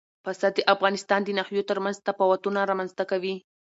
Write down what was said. پسه د افغانستان د ناحیو ترمنځ تفاوتونه رامنځ ته کوي.